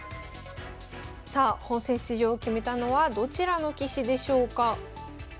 さあ本戦出場を決めたのはどちらの棋士でしょうか。